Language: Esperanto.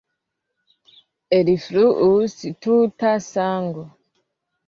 Elfluus tuta sango.